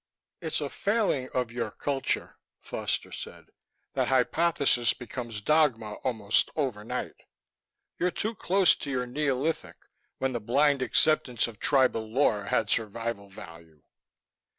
"It's a failing of your culture," Foster said, "that hypothesis becomes dogma almost overnight. You're too close to your Neolithic, when the blind acceptance of tribal lore had survival value.